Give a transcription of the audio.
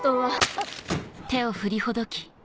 あっ。